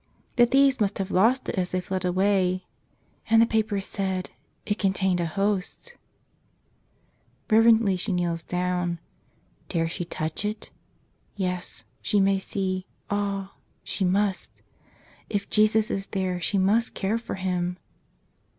The thieves must have lost it as they fled away. And the paper said — it contained a Host! Reverently she kneels down. Dare she touch it? Yes; she may see — ah! she must. If Jesus is there she must care for Him!